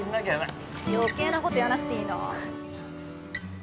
余計なこと言わなくていいの。